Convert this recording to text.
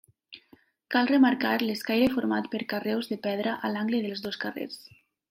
Cal remarcar l'escaire format per carreus de pedra a l'angle dels dos carrers.